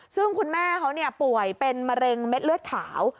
ซึ่งคุณแม่เขาป่วยเป็นมะเร็งเม็ดเลือดขาว